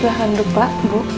silahkan duduk pak bu